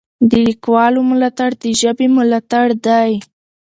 د لیکوالو ملاتړ د ژبې ملاتړ دی.